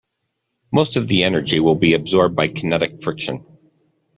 Most of the energy will be absorbed by kinetic friction.